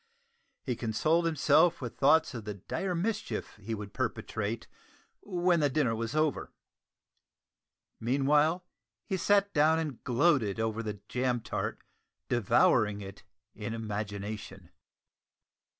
He consoled himself with thoughts of the dire mischief he would perpetrate when the dinner was over. Meanwhile, he sat down and gloated over the jam tart, devouring it in imagination.